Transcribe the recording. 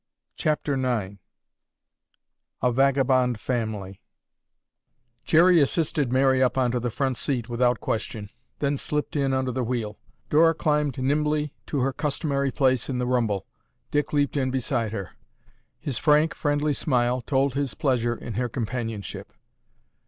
CHAPTER IX A VAGABOND FAMILY Jerry assisted Mary up onto the front seat without question, then slipped in under the wheel. Dora climbed nimbly to her customary place in the rumble. Dick leaped in beside her. His frank, friendly smile told his pleasure in her companionship.